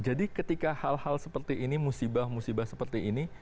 jadi ketika hal hal seperti ini musibah musibah seperti ini